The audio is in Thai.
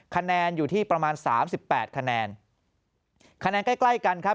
คะแนนอยู่ที่ประมาณสามสิบแปดคะแนนคะแนนใกล้ใกล้กันครับ